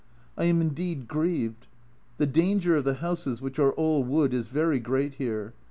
I am indeed grieved. The danger of the houses, which are all wood, is very great here.